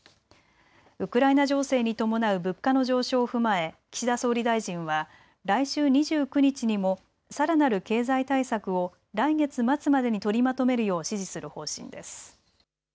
ウクライナ情勢に伴う物価の上昇を踏まえ岸田総理大臣は来週２９日にも、さらなる経済対策を来月末までに取りまとめるよう指示する方針です。